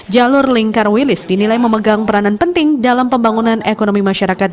jalur lingkar wilis dinilai memegang peranan penting dalam pembangunan ekonomi masyarakat